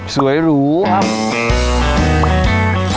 สวยหรูครับ